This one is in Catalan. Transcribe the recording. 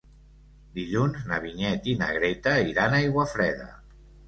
Dilluns na Vinyet i na Greta iran a Aiguafreda.